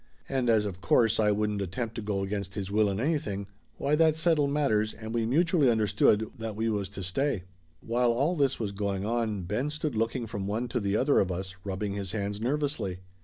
And as of course I wouldn't attempt to go against his will in anything, why that settled matters and we mu tually understood that we was to stay. While all this was going on Ben stood looking from one to the other of us, rubbing his hands nervously.